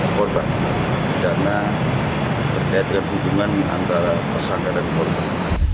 tidak cocok dengan korban karena terkait dengan hubungan antara pesangka dan korban